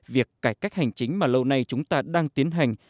việc cải cách hành chính mà lâu nay chúng ta đang tiến hành